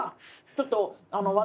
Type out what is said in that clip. ちょっと私。